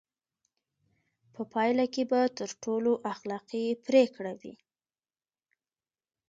په پایله کې به تر ټولو اخلاقي پرېکړه وي.